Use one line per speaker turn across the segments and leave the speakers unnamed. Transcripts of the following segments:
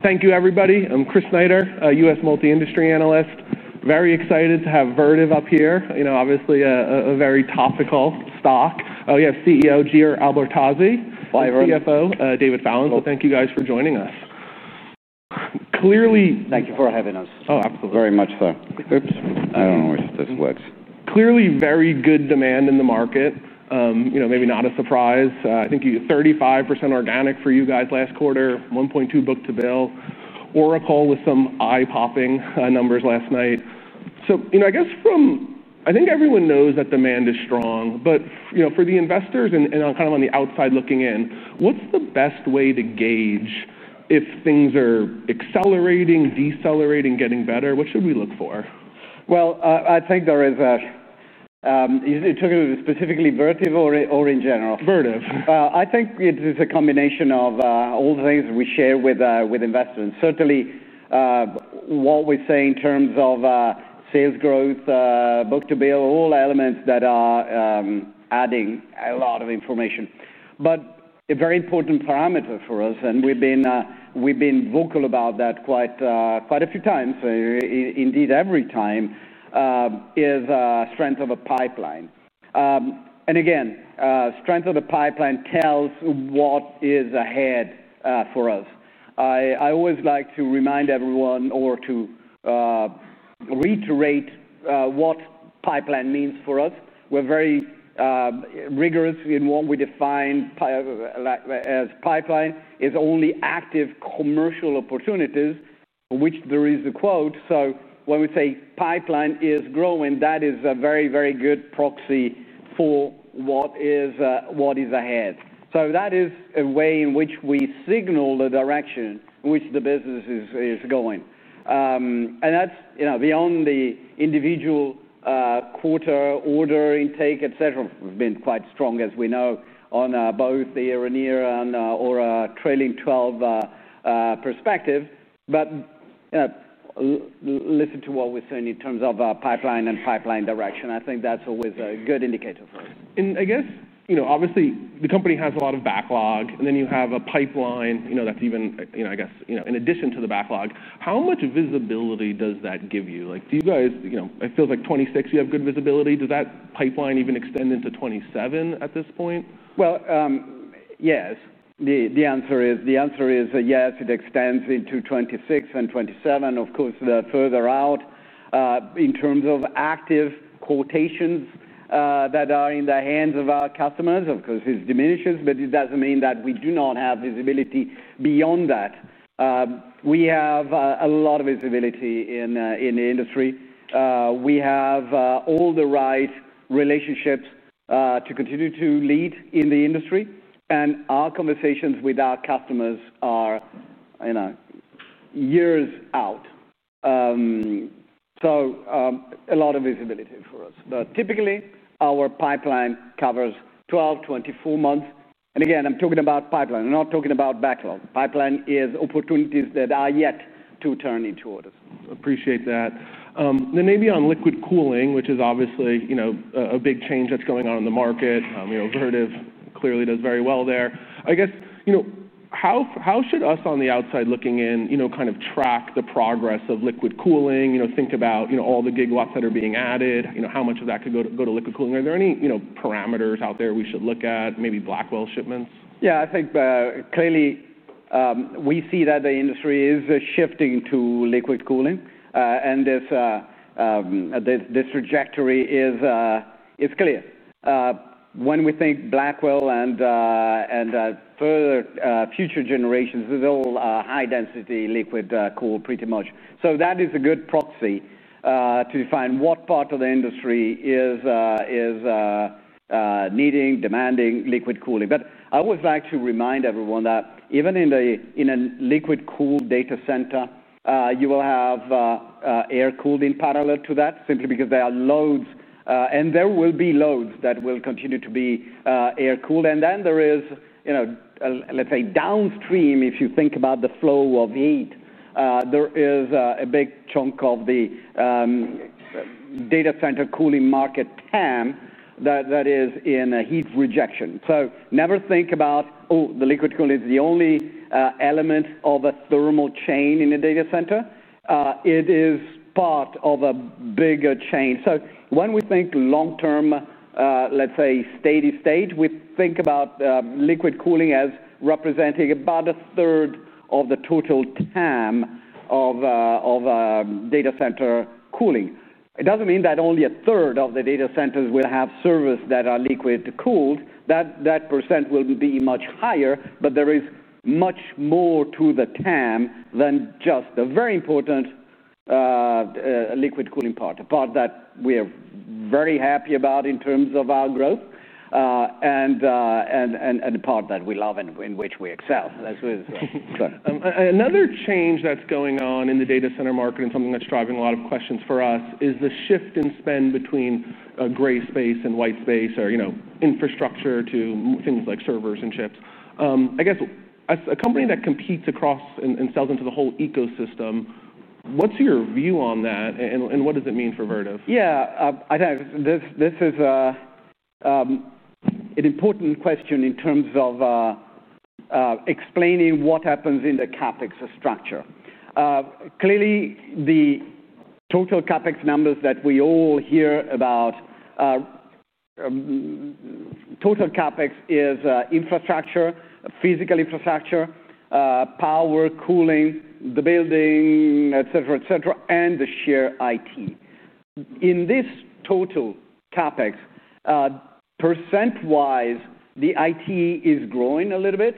Thank you, everybody. I'm Chris Snyder, a U.S. multi-industry analyst. Very excited to have Vertiv up here. You know, obviously a very topical stock. We have CEO Giordano Albertazzi, CFO David Fallon. Thank you guys for joining us. Clearly.
Thank you for having us. Very much so. I don't know if this works.
Clearly, very good demand in the market. Maybe not a surprise. I think you 35% organic for you guys last quarter, $1.2 book-to-bill. Oracle was some eye-popping numbers last night. I guess from I think everyone knows that demand is strong. For the investors and kind of on the outside looking in, what's the best way to gauge if things are accelerating, decelerating, getting better? What should we look for?
I think there is a, you talking specifically Vertiv or in general?
Vertiv.
I think it is a combination of all the things we share with investors. Certainly, what we say in terms of sales growth, book-to-bill, all elements that are adding a lot of information. A very important parameter for us, and we've been vocal about that quite a few times, indeed every time, is the strength of a pipeline. Again, strength of the pipeline tells what is ahead for us. I always like to remind everyone or to reiterate what pipeline means for us. We're very rigorous in what we define as pipeline; it is only active commercial opportunities for which there is a quote. When we say pipeline is growing, that is a very, very good proxy for what is ahead. That is a way in which we signal the direction in which the business is going. Beyond the individual quarter order intake, etc., have been quite strong, as we know, on both the year-on-year and a trailing 12 perspective. Listen to what we're saying in terms of pipeline and pipeline direction. I think that's always a good indicator for us.
Obviously, the company has a lot of backlog, and then you have a pipeline that's even, I guess, in addition to the backlog. How much visibility does that give you? Do you guys, you know, it feels like 2026, you have good visibility. Does that pipeline even extend into 2027 at this point?
Yes, the answer is yes, it extends into 2026 and 2027, of course, further out. In terms of active quotations that are in the hands of our customers, of course, it diminishes, but it doesn't mean that we do not have visibility beyond that. We have a lot of visibility in the industry. We have all the right relationships to continue to lead in the industry. Our conversations with our customers are, you know, years out. A lot of visibility for us. Typically, our pipeline covers 12, 24 months. Again, I'm talking about pipeline. I'm not talking about backlog. The pipeline is opportunities that are yet to turn into orders.
Appreciate that. Maybe on liquid cooling, which is obviously a big change that's going on in the market. Vertiv clearly does very well there. I guess, how should us on the outside looking in kind of track the progress of liquid cooling? Think about all the gigawatts that are being added, how much of that could go to liquid cooling? Are there any parameters out there we should look at, maybe Blackwell shipments?
Yeah, I think clearly we see that the industry is shifting to liquid cooling. This trajectory is clear. When we think Blackwell and further future generations, it's all high-density liquid cool pretty much. That is a good proxy to define what part of the industry is needing, demanding liquid cooling. I always like to remind everyone that even in a liquid cooled data center, you will have air cooled in parallel to that, simply because there are loads, and there will be loads that will continue to be air cooled. If you think about the flow of heat, there is a big chunk of the data center cooling market TAM that is in heat rejection. Never think about, oh, the liquid cooling is the only element of a thermal chain in a data center. It is part of a bigger chain. When we think long-term, let's say, state-to-state, we think about liquid cooling as representing about a third of the total TAM of data center cooling. It doesn't mean that only a third of the data centers will have servers that are liquid cooled. That % will be much higher. There is much more to the TAM than just the very important liquid cooling part, a part that we are very happy about in terms of our growth and a part that we love and in which we excel.
That's great. Another change that's going on in the data center market and something that's driving a lot of questions for us is the shift in spend between gray space and white space, or, you know, infrastructure to things like servers and chips. I guess as a company that competes across and sells into the whole ecosystem, what's your view on that and what does it mean for Vertiv?
Yeah, I think this is an important question in terms of explaining what happens in the CapEx structure. Clearly, the total CapEx numbers that we all hear about, total CapEx is infrastructure, physical infrastructure, power, cooling, the building, etc., etc., and the sheer IT. In this total CapEx, %-wise, the IT is growing a little bit,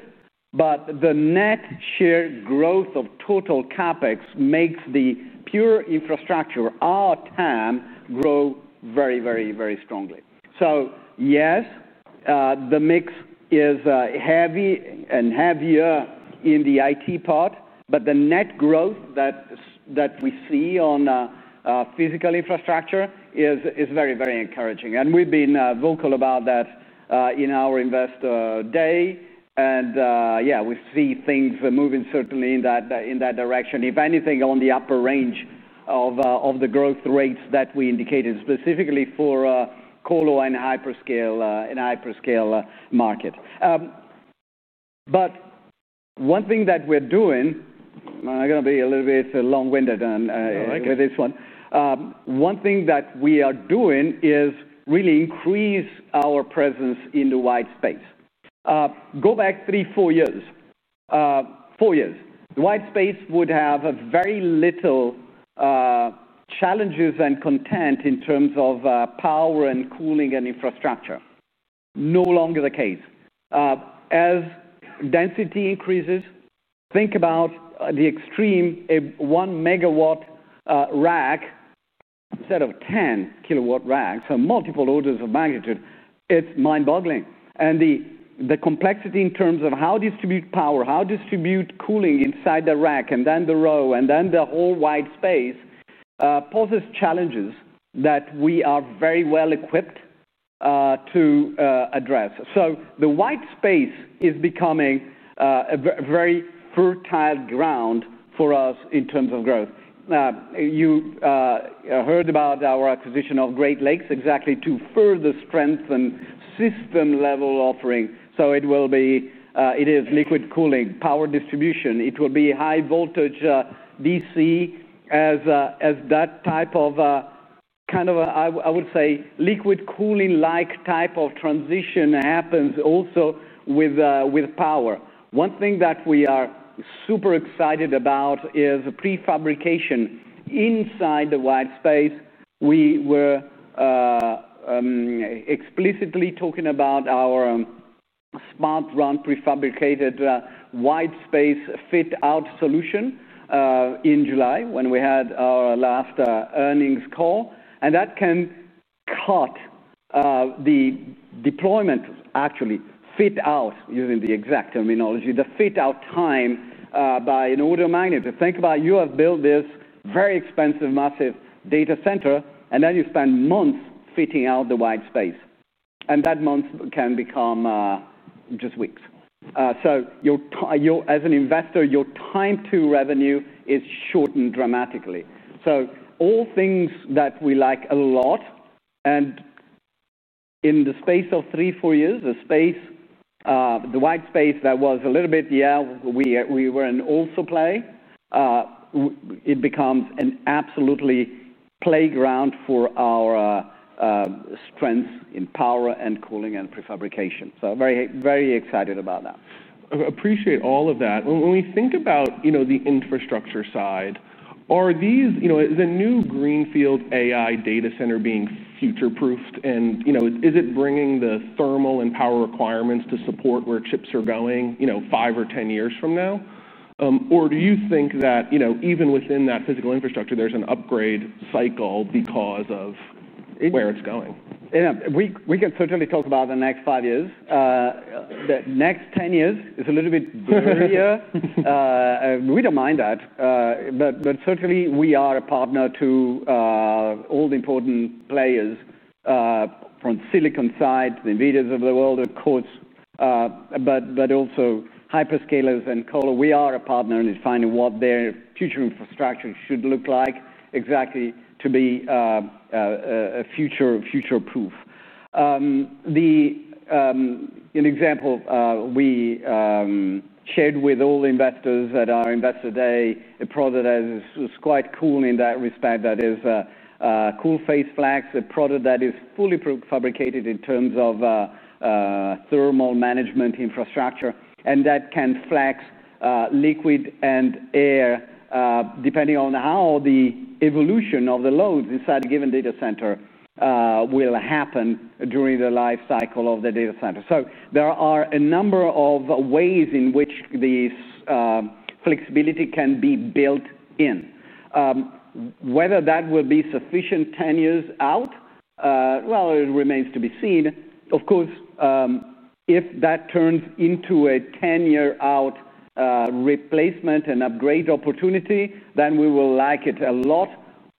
but the net sheer growth of total CapEx makes the pure infrastructure, our TAM, grow very, very, very strongly. Yes, the mix is heavy and heavier in the IT part, but the net growth that we see on physical infrastructure is very, very encouraging. We've been vocal about that in our investor day. We see things moving certainly in that direction. If anything, on the upper range of the growth rates that we indicated specifically for colo and hyperscale market. One thing that we're doing, I'm going to be a little bit long-winded on this one. One thing that we are doing is really increase our presence in the white space. Go back three, four years. Four years. The white space would have very little challenges and content in terms of power and cooling and infrastructure. No longer the case. As density increases, think about the extreme one megawatt rack instead of 10 kilowatt racks, so multiple orders of magnitude. It's mind-boggling. The complexity in terms of how to distribute power, how to distribute cooling inside the rack, and then the row, and then the whole white space poses challenges that we are very well equipped to address. The white space is becoming a very fertile ground for us in terms of growth. You heard about our acquisition of Great Lakes exactly to further strengthen system-level offering. It will be, it is liquid cooling, power distribution. It will be high-voltage DC as that type of, I would say, liquid cooling-like type of transition happens also with power. One thing that we are super excited about is prefabrication inside the white space. We were explicitly talking about our smart run prefabricated white space fit-out solution in July when we had our last earnings call. That can cut the deployment of actually fit out, using the exact terminology, the fit-out time by an order of magnitude. Think about you have built this very expensive, massive data center, and then you spend months fitting out the white space. That month can become just weeks. As an investor, your time to revenue is shortened dramatically. All things that we like a lot. In the space of three, four years, the space, the white space that was a little bit, yeah, we were in also play. It becomes an absolutely playground for our strengths in power and cooling and prefabrication. Very, very excited about that.
Appreciate all of that. When we think about the infrastructure side, are these, you know, is a new Greenfield AI data center being future-proofed? Is it bringing the thermal and power requirements to support where chips are going, you know, five or ten years from now? Do you think that, you know, even within that physical infrastructure, there's an upgrade cycle because of where it's going?
Yeah, we can certainly talk about the next five years. The next ten years is a little bit earlier. We don't mind that. Certainly, we are a partner to all the important players from the Silicon side, the NVIDIA's of the world, of course, but also hyperscalers and colo. We are a partner in defining what their future infrastructure should look like exactly to be a future-proof. An example we shared with all investors at our investor day, a product that was quite cool in that respect, that is CoolPhase Flex, a product that is fully prefabricated in terms of thermal management infrastructure. That can flex liquid and air depending on how the evolution of the loads inside a given data center will happen during the life cycle of the data center. There are a number of ways in which this flexibility can be built in. Whether that will be sufficient ten years out, it remains to be seen. If that turns into a ten-year-out replacement and upgrade opportunity, then we will like it a lot.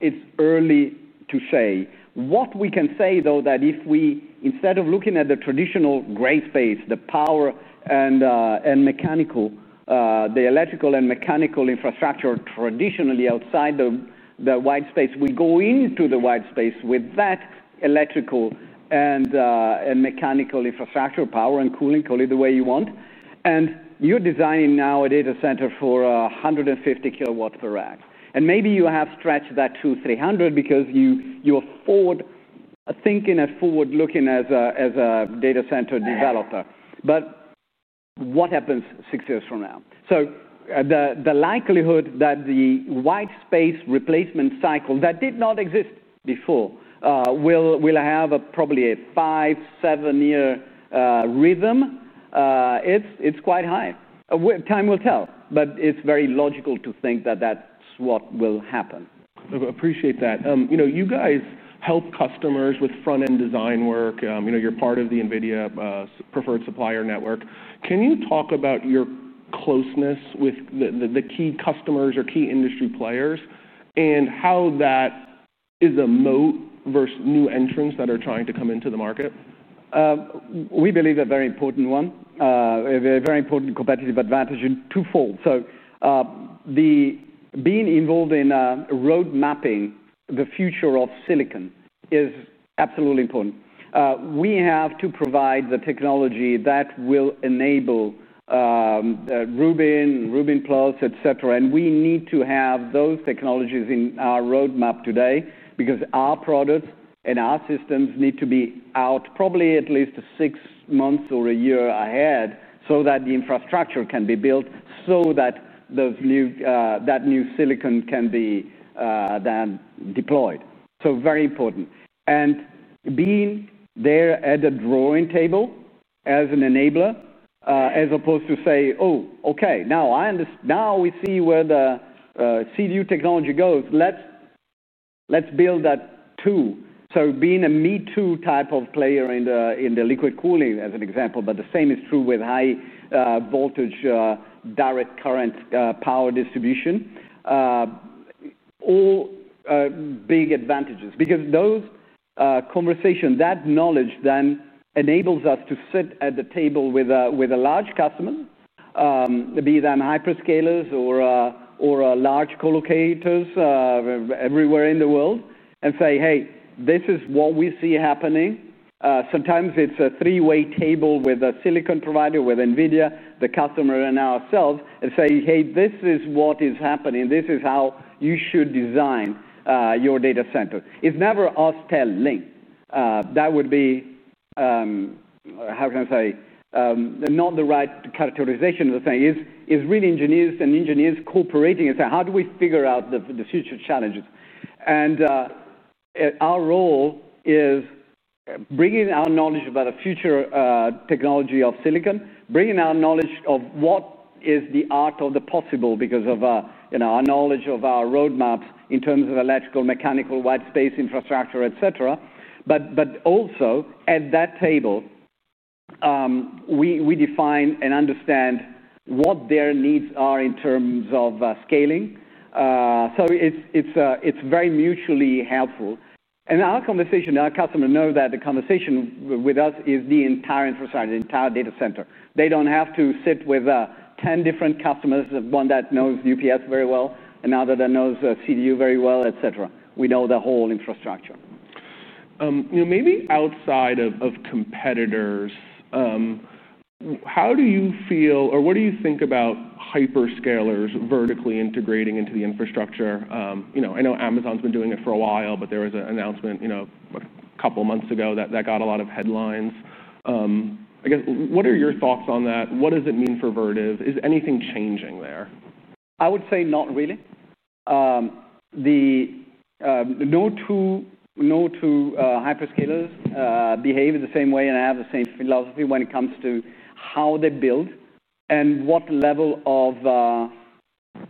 It's early to say. What we can say, though, is that if we, instead of looking at the traditional gray space, the power and mechanical, the electrical and mechanical infrastructure traditionally outside the white space, we go into the white space with that electrical and mechanical infrastructure, power and cooling, call it the way you want. You're designing now a data center for 150 kilowatts per rack. Maybe you have stretched that to 300 because you're thinking forward-looking as a data center developer. What happens six years from now? The likelihood that the white space replacement cycle that did not exist before will have probably a five, seven-year rhythm is quite high. Time will tell. It's very logical to think that that's what will happen.
Appreciate that. You know, you guys help customers with front-end design work. You know, you're part of the NVIDIA preferred supplier network. Can you talk about your closeness with the key customers or key industry players and how that is a moat versus new entrants that are trying to come into the market?
We believe a very important one, a very important competitive advantage in twofold. Being involved in road mapping the future of silicon is absolutely important. We have to provide the technology that will enable Rubin, Rubin Plus, et cetera. We need to have those technologies in our roadmap today because our products and our systems need to be out probably at least six months or a year ahead so that the infrastructure can be built so that that new silicon can be then deployed. Very important. Being there at a drawing table as an enabler, as opposed to say, oh, OK, now we see where the CVU technology goes. Let's build that too. Being a me-too type of player in the liquid cooling as an example, but the same is true with high voltage direct current power distribution. All big advantages because those conversations, that knowledge then enables us to sit at the table with a large customer, be it hyperscalers or large colocators everywhere in the world and say, hey, this is what we see happening. Sometimes it's a three-way table with a silicon provider, with NVIDIA, the customer, and ourselves and say, hey, this is what is happening. This is how you should design your data center. It's never us telling. That would be, how can I say, not the right characterization of the thing. It's really engineers and engineers cooperating and saying, how do we figure out the future challenges? Our role is bringing our knowledge about the future technology of silicon, bringing our knowledge of what is the art of the possible because of our knowledge of our roadmaps in terms of electrical, mechanical, white space infrastructure, et cetera. Also at that table, we define and understand what their needs are in terms of scaling. It's very mutually helpful. Our customers know that the conversation with us is the entire infrastructure, the entire data center. They don't have to sit with 10 different customers, one that knows UPS very well, another that knows CVU very well, et cetera. We know the whole infrastructure.
Maybe outside of competitors, how do you feel or what do you think about hyperscalers vertically integrating into the infrastructure? I know Amazon's been doing it for a while, but there was an announcement a couple of months ago that got a lot of headlines. I guess, what are your thoughts on that? What does it mean for Vertiv? Is anything changing there?
I would say not really. No two hyperscalers behave in the same way and have the same philosophy when it comes to how they build and what level of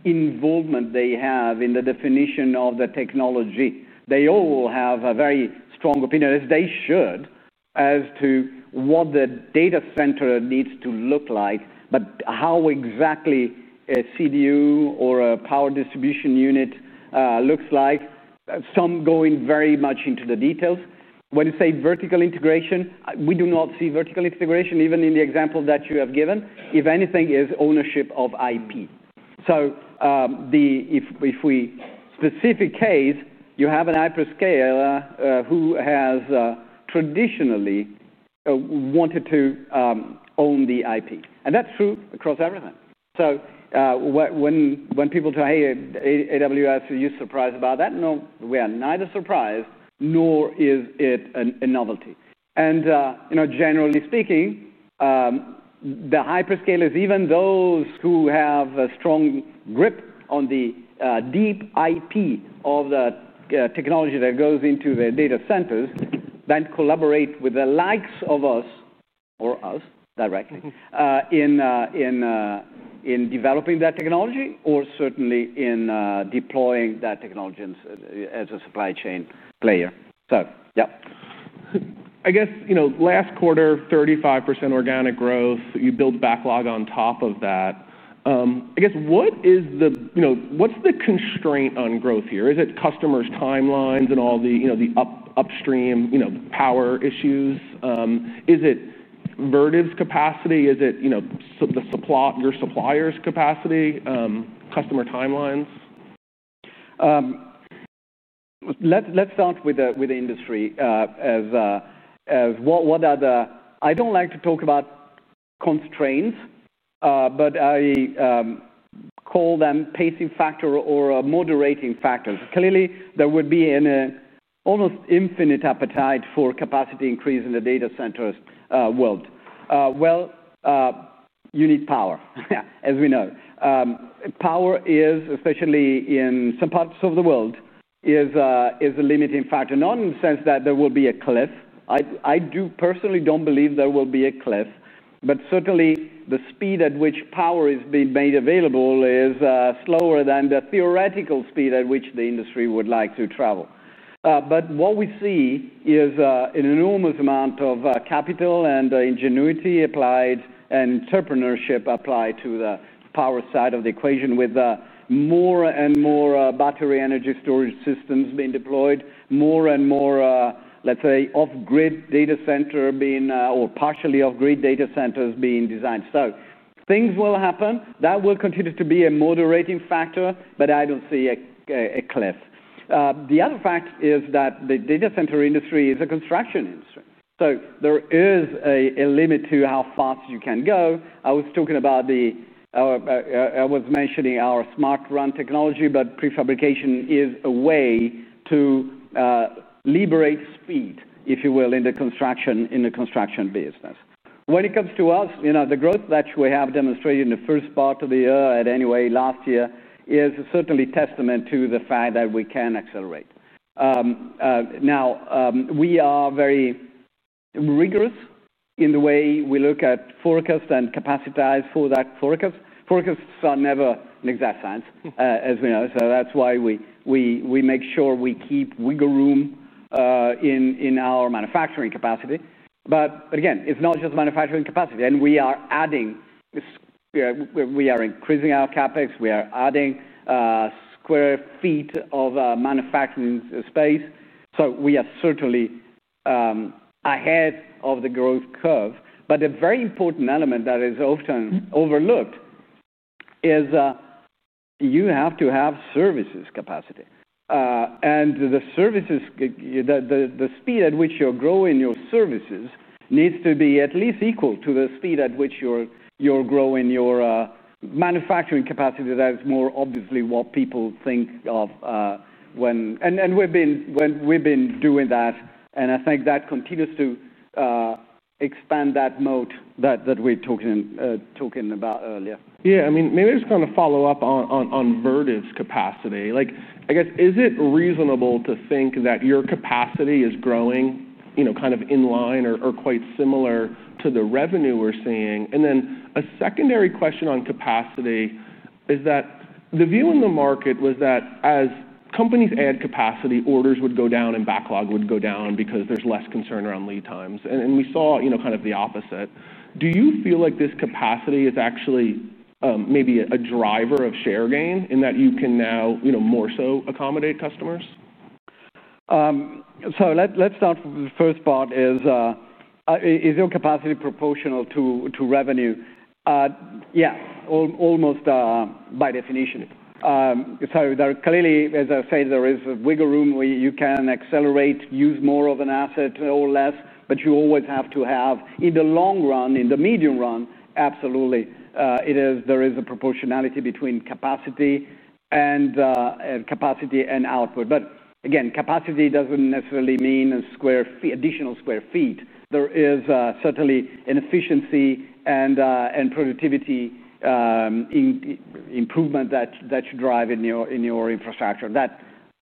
involvement they have in the definition of the technology. They all have a very strong opinion, as they should, as to what the data center needs to look like, but how exactly a CDU or a power distribution unit looks like, some going very much into the details. When you say vertical integration, we do not see vertical integration, even in the example that you have given. If anything, it is ownership of IP. If we, specific case, you have a hyperscaler who has traditionally wanted to own the IP. That's true across everything. When people say, hey, AWS, are you surprised about that? No, we are neither surprised nor is it a novelty. Generally speaking, the hyperscalers, even those who have a strong grip on the deep IP of the technology that goes into their data centers, then collaborate with the likes of us, or us directly, in developing that technology or certainly in deploying that technology as a supply chain player. Yeah.
I guess, last quarter, 35% organic growth. You build backlog on top of that. What is the constraint on growth here? Is it customers' timelines and all the upstream power issues? Is it Vertiv's capacity? Is it your supplier's capacity? Customer timelines?
Let's start with the industry as what are the, I don't like to talk about constraints, but I call them pacing factors or moderating factors. Clearly, there would be an almost infinite appetite for capacity increase in the data centers world. You need power, as we know. Power is, especially in some parts of the world, a limiting factor, not in the sense that there will be a cliff. I personally don't believe there will be a cliff. Certainly, the speed at which power is being made available is slower than the theoretical speed at which the industry would like to travel. What we see is an enormous amount of capital and ingenuity applied and entrepreneurship applied to the power side of the equation with more and more battery energy storage systems being deployed, more and more, let's say, off-grid data centers or partially off-grid data centers being designed. Things will happen. That will continue to be a moderating factor, but I don't see a cliff. The other fact is that the data center industry is a construction industry. There is a limit to how fast you can go. I was mentioning our smart run fit-out technology, but prefabrication is a way to liberate speed, if you will, in the construction business. When it comes to us, the growth that we have demonstrated in the first part of the year and anyway last year is certainly a testament to the fact that we can accelerate. We are very rigorous in the way we look at forecasts and capacitize for that forecast. Forecasts are never an exact science, as we know. That's why we make sure we keep wiggle room in our manufacturing capacity. Again, it's not just manufacturing capacity. We are increasing our CapEx. We are adding square feet of manufacturing space. We are certainly ahead of the growth curve. A very important element that is often overlooked is you have to have services capacity. The speed at which you're growing your services needs to be at least equal to the speed at which you're growing your manufacturing capacity. That is more obviously what people think of when we've been doing that. I think that continues to expand that moat that we're talking about earlier.
Yeah, I mean, maybe I just want to follow up on Vertiv's capacity. I guess, is it reasonable to think that your capacity is growing, you know, kind of in line or quite similar to the revenue we're seeing? A secondary question on capacity is that the view in the market was that as companies add capacity, orders would go down and backlog would go down because there's less concern around lead times. We saw, you know, kind of the opposite. Do you feel like this capacity is actually maybe a driver of share gain in that you can now, you know, more so accommodate customers?
Let's start from the first part. Is your capacity proportional to revenue? Yes, almost by definition. Clearly, as I said, there is a wiggle room where you can accelerate, use more of an asset or less, but you always have to have, in the long run, in the medium run, absolutely, there is a proportionality between capacity and output. Again, capacity doesn't necessarily mean an additional square feet. There is certainly an efficiency and productivity improvement that you drive in your infrastructure. That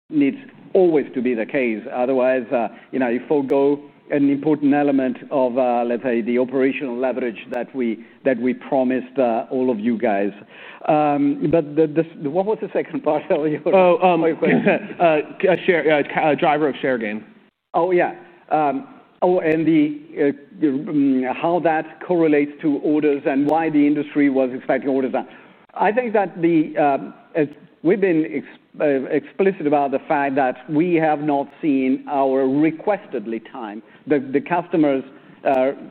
needs always to be the case. Otherwise, you forego an important element of, let's say, the operational leverage that we promised all of you guys. What was the second part of your question?
A driver of share gain.
Oh, yeah. Oh, and how that correlates to orders and why the industry was expecting orders down. I think that we've been explicit about the fact that we have not seen our requested lead time. The customers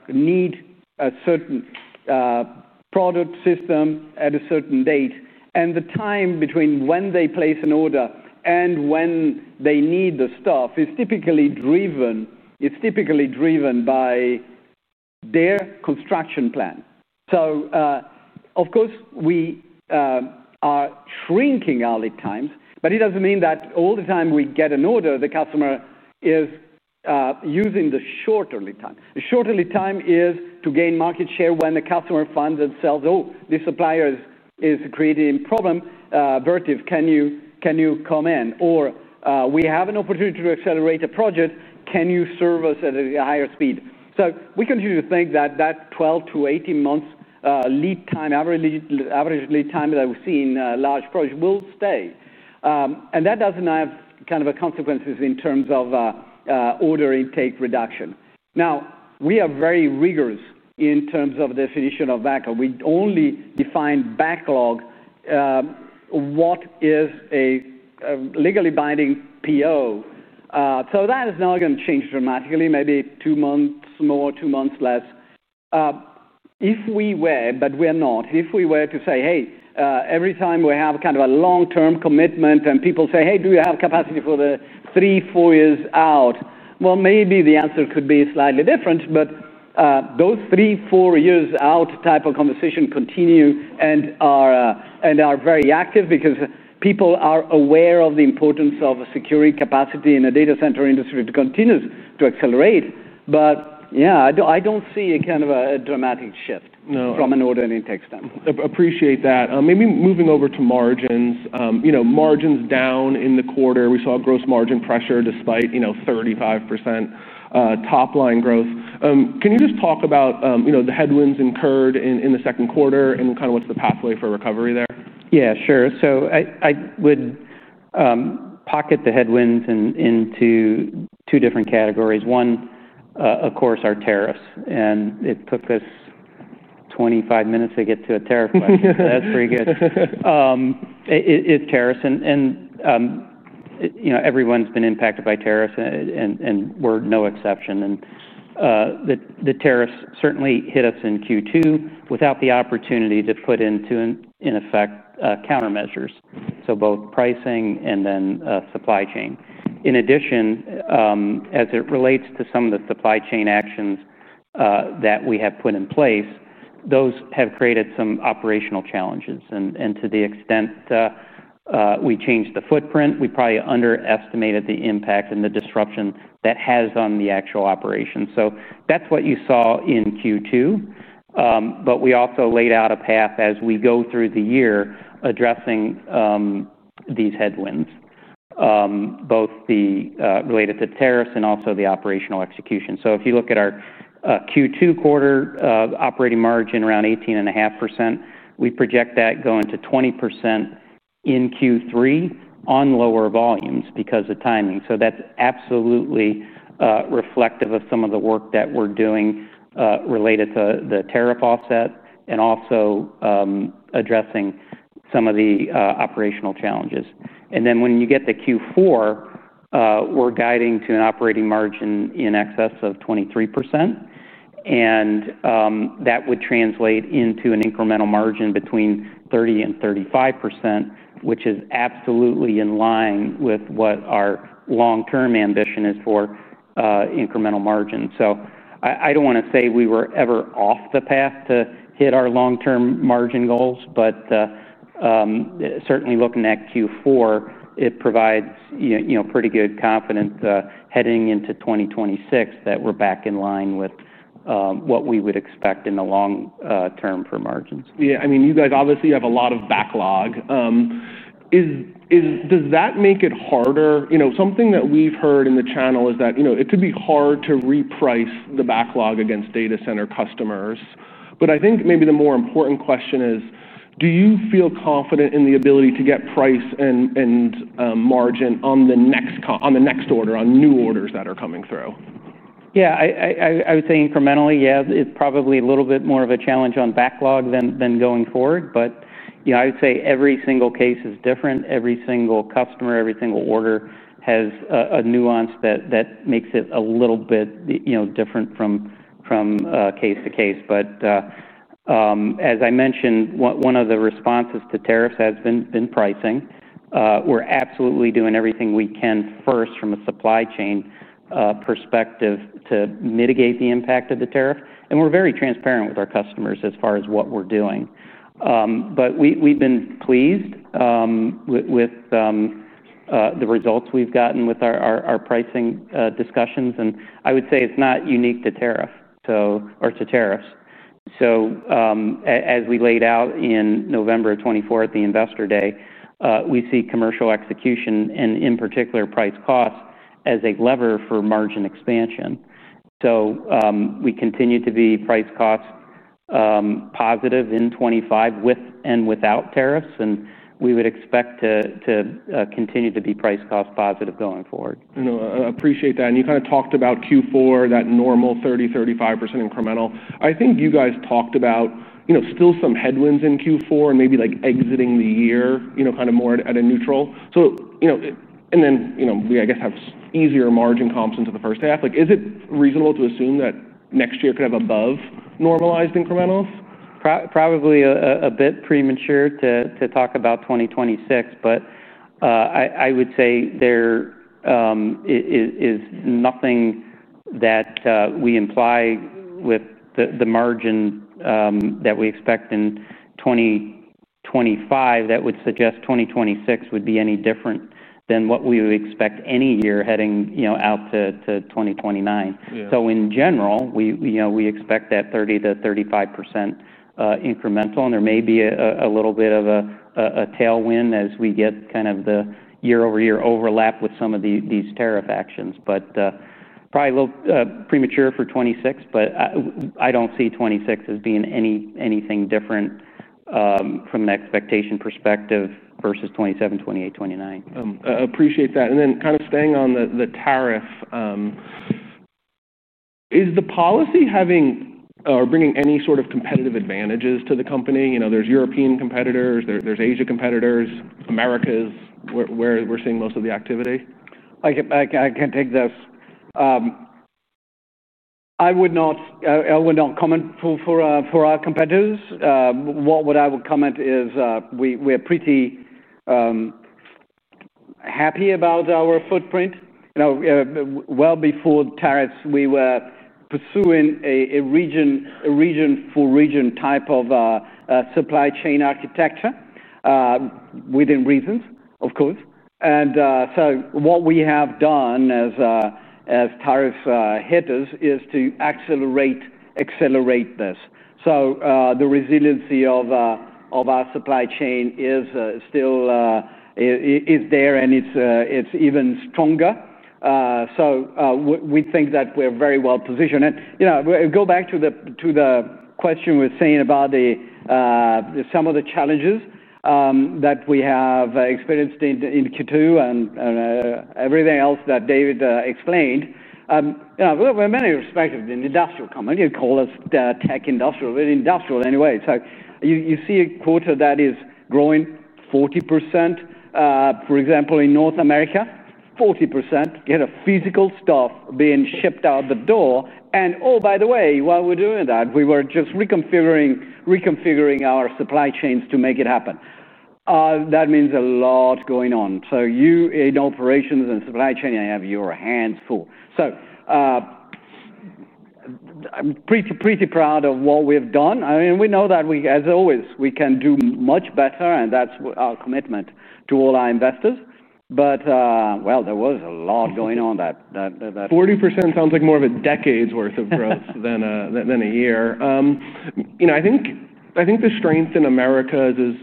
need a certain product system at a certain date, and the time between when they place an order and when they need the stuff is typically driven by their construction plan. Of course, we are shrinking our lead times, but it doesn't mean that every time we get an order, the customer is using the shorter lead time. The shorter lead time is to gain market share when the customer finds and says, oh, this supplier is creating a problem. Vertiv, can you come in? Or we have an opportunity to accelerate a project. Can you serve us at a higher speed? We continue to think that that 12 to 18 months lead time, average lead time that we see in large projects, will stay, and that doesn't have consequences in terms of order intake reduction. We are very rigorous in terms of the definition of backlog. We only define backlog as what is a legally binding PO. That is not going to change dramatically, maybe two months more, two months less. If we were, but we are not, if we were to say, hey, every time we have kind of a long-term commitment and people say, hey, do you have capacity for the three, four years out? Maybe the answer could be slightly different, but those three, four years out type of conversations continue and are very active because people are aware of the importance of securing capacity in a data center industry that continues to accelerate. I don't see a kind of a dramatic shift from an order intake standpoint.
Appreciate that. Maybe moving over to margins. You know, margins down in the quarter. We saw gross margin pressure despite, you know, 35% top line growth. Can you just talk about, you know, the headwinds incurred in the second quarter and kind of what's the pathway for recovery there?
Yeah, sure. I would pocket the headwinds into two different categories. One, of course, are tariffs. It took us 25 minutes to get to a tariff question. That's pretty good. It's tariffs. Everyone's been impacted by tariffs, and we're no exception. The tariffs certainly hit us in Q2 without the opportunity to put into effect countermeasures, so both pricing and then supply chain. In addition, as it relates to some of the supply chain actions that we have put in place, those have created some operational challenges. To the extent we changed the footprint, we probably underestimated the impact and the disruption that has on the actual operations. That's what you saw in Q2. We also laid out a path as we go through the year addressing these headwinds, both related to tariffs and also the operational execution. If you look at our Q2 quarter operating margin around 18.5%, we project that going to 20% in Q3 on lower volumes because of timing. That's absolutely reflective of some of the work that we're doing related to the tariff offset and also addressing some of the operational challenges. When you get to Q4, we're guiding to an operating margin in excess of 23%. That would translate into an incremental margin between 30% and 35%, which is absolutely in line with what our long-term ambition is for incremental margins. I don't want to say we were ever off the path to hit our long-term margin goals, but certainly looking at Q4, it provides pretty good confidence heading into 2026 that we're back in line with what we would expect in the long term for margins.
Yeah, I mean, you guys obviously have a lot of backlog. Does that make it harder? Something that we've heard in the channel is that it could be hard to reprice the backlog against data center customers. I think maybe the more important question is, do you feel confident in the ability to get price and margin on the next order, on new orders that are coming through?
Yeah, I would say incrementally, yeah, it's probably a little bit more of a challenge on backlog than going forward. I would say every single case is different. Every single customer, every single order has a nuance that makes it a little bit different from case to case. As I mentioned, one of the responses to tariffs has been pricing. We're absolutely doing everything we can first from a supply chain perspective to mitigate the impact of the tariff, and we're very transparent with our customers as far as what we're doing. We've been pleased with the results we've gotten with our pricing discussions. I would say it's not unique to tariffs. As we laid out in November 2024, the investor day, we see commercial execution and in particular price costs as a lever for margin expansion. We continue to be price costs positive in 2025 with and without tariffs, and we would expect to continue to be price costs positive going forward.
I appreciate that. You kind of talked about Q4, that normal 30% to 35% incremental. I think you guys talked about still some headwinds in Q4 and maybe exiting the year kind of more at a neutral. We, I guess, have easier margin comps into the first half. Is it reasonable to assume that next year could have above normalized incrementals?
Probably a bit premature to talk about 2026. I would say there is nothing that we imply with the margin that we expect in 2025 that would suggest 2026 would be any different than what we would expect any year heading out to 2029. In general, we expect that 30% to 35% incremental, and there may be a little bit of a tailwind as we get the year-over-year overlap with some of these tariff actions. Probably a little premature for 2026. I don't see 2026 as being anything different from the expectation perspective versus 2027, 2028, 2029.
Appreciate that. Kind of staying on the tariff, is the policy having or bringing any sort of competitive advantages to the company? You know, there's European competitors, there's Asia competitors, Americas where we're seeing most of the activity.
I can take this. I would not comment for our competitors. What I would comment is we're pretty happy about our footprint. You know, well before tariffs, we were pursuing a region-for-region type of supply chain architecture within reason, of course. What we have done as tariff hitters is to accelerate this. The resiliency of our supply chain is still there and it's even stronger. We think that we're very well positioned. You know, go back to the question we're saying about some of the challenges that we have experienced in Q2 and everything else that David explained. There are many perspectives in the industrial community who call us tech industrial, but industrial anyway. You see a quarter that is growing 40%. For example, in North America, 40% get a physical stuff being shipped out the door. Oh, by the way, while we're doing that, we were just reconfiguring our supply chains to make it happen. That means a lot going on. You in operations and supply chain, I have your hands full. I'm pretty, pretty proud of what we've done. I mean, we know that we, as always, we can do much better and that's our commitment to all our investors. There was a lot going on that.
40% sounds like more of a decade's worth of growth than a year. I think the strength in America is,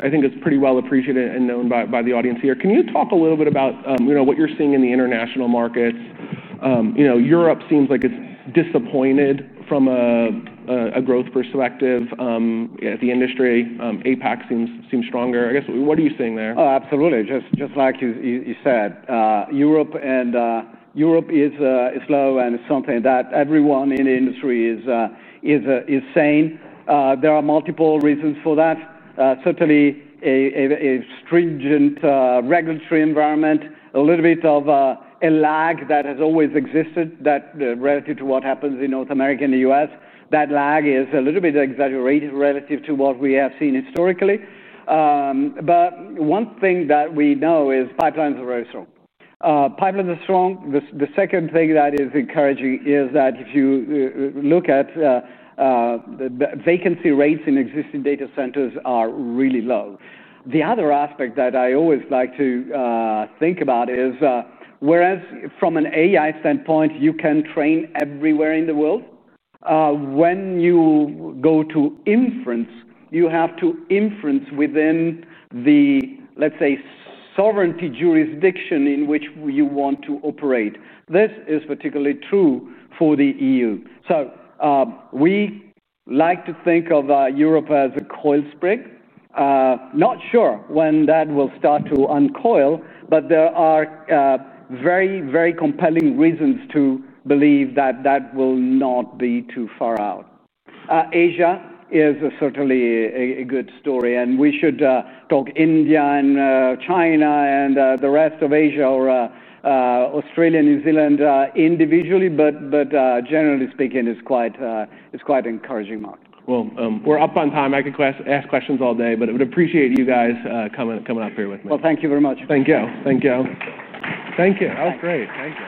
I think it's pretty well appreciated and known by the audience here. Can you talk a little bit about what you're seeing in the international markets? Europe seems like it's disappointed from a growth perspective at the industry. APAC seems stronger. I guess, what are you seeing there?
Oh, absolutely. Just like you said, Europe is slow and it's something that everyone in the industry is saying. There are multiple reasons for that. Certainly, a stringent regulatory environment, a little bit of a lag that has always existed relative to what happens in North America and the U.S. That lag is a little bit exaggerated relative to what we have seen historically. One thing that we know is pipelines are very strong. Pipelines are strong. The second thing that is encouraging is that if you look at the vacancy rates in existing data centers, they are really low. The other aspect that I always like to think about is, whereas from an AI standpoint, you can train everywhere in the world, when you go to inference, you have to inference within the, let's say, sovereignty jurisdiction in which you want to operate. This is particularly true for the EU. We like to think of Europe as a coil spring. Not sure when that will start to uncoil, but there are very, very compelling reasons to believe that that will not be too far out. Asia is certainly a good story. We should talk India and China and the rest of Asia or Australia, New Zealand individually. Generally speaking, it's quite an encouraging market.
We're up on time. I could ask questions all day, but I would appreciate you guys coming up here with me.
Thank you very much.
Thank you. Thank you.
Thank you.
Oh, great. Thanks, guys.